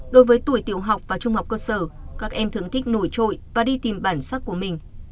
đối với tuổi tiểu học và trung học cơ sở các em thưởng thích nổi trội và đi tìm bản sắc của mình